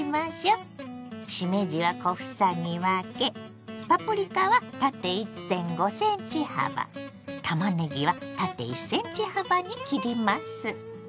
しめじは小房に分けパプリカは縦１．５ｃｍ幅たまねぎは縦１ｃｍ幅に切ります。